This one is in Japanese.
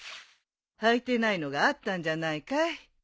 はいてないのがあったんじゃないかい？